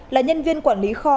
là nhân viên quản lý kho